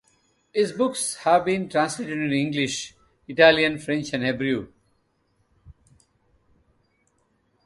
His books have been translated into English, Italian, French, and Hebrew.